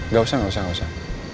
gak usah gak usah gak usah